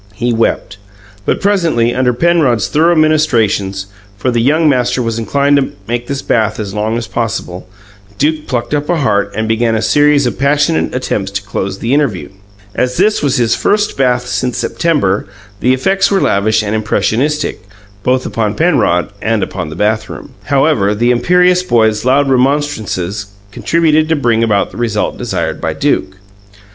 He wept. But, presently, under Penrod's thorough ministrations for the young master was inclined to make this bath last as long as possible Duke plucked up a heart and began a series of passionate attempts to close the interview. As this was his first bath since September, the effects were lavish and impressionistic, both upon Penrod and upon the bathroom. However, the imperious boy's loud remonstrances contributed to bring about the result desired by Duke.